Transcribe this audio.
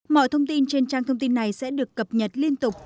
mọi thông tin trên trang thông tin này sẽ được cập nhật liên tục